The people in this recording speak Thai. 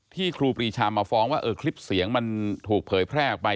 ครูปรีชามาฟ้องว่าคลิปเสียงมันถูกเผยแพร่ออกไป